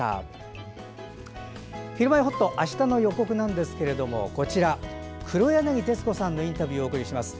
「ひるまえほっと」あしたの予告なんですが黒柳徹子さんのインタビューをお送りします。